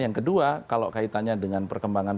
yang kedua kalau kaitannya dengan perkembangan